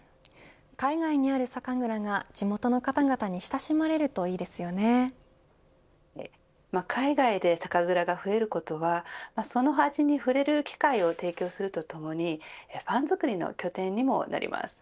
海外にある酒蔵が地元の方々に親しまれると海外で酒蔵が増えることはその味に触れる機会を提供するとともにファンづくりの拠点にもなります。